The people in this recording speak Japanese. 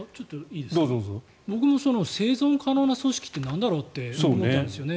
僕も生存可能な組織ってなんだろうって思ったんですね。